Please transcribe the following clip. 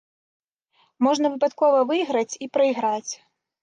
Можна выпадкова выйграць і прайграць.